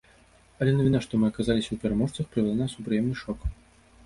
Але навіна, што мы аказаліся ў пераможцах прывяла нас у прыемны шок.